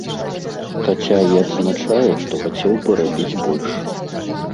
Хаця і адзначае, што хацеў бы рабіць больш.